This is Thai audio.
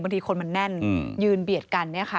บางทีคนมันแน่นยืนเบียดกันเนี่ยค่ะ